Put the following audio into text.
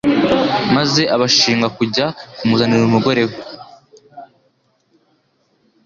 maze abashinga kujya kumuzanira umugore we